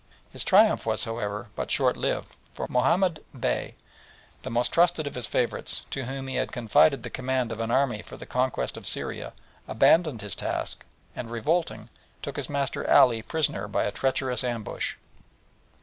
His triumph was, however, but shortlived, for Mahomed Bey, the most trusted of his favourites, to whom he had confided the command of an army for the conquest of Syria, abandoned his task, and revolting, took his master Ali prisoner by a treacherous ambush.